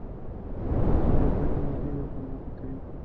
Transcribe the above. دوه ربړي میلې یو بل دفع کوي.